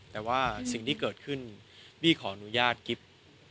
แต่ว่าสิ่งที่เกิดขึ้นบี้ขออนุญาตกิ๊บ